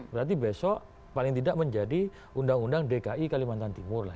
berarti besok paling tidak menjadi undang undang dki kalimantan timur lah